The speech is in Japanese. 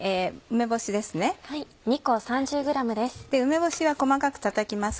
梅干しは細かく叩きます。